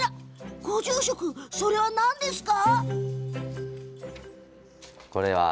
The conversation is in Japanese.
ご住職それは、何でしょう？